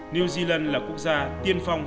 new zealand là quốc gia tiên phong